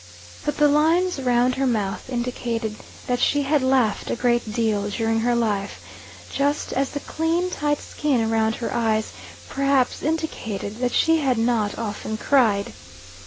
But the lines round her mouth indicated that she had laughed a great deal during her life, just as the clean tight skin round her eyes perhaps indicated that she had not often cried.